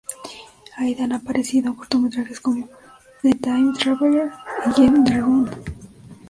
Aidan ha aparecido en cortometrajes como "The Time Traveller" y en "The Run".